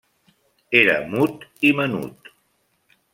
Era mut i menut.